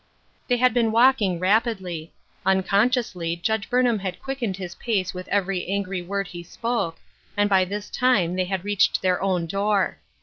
They had been walking rapidly. Unconsciously Judge Burnham had quickened his pace with every angry word he spoke, and by this time they had reached their own door.